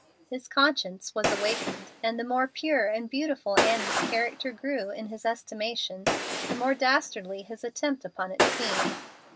His conscience was awakened, and the more pure and beautiful Annie's character grew in his estimation, the more dastardly his attempt upon it seemed.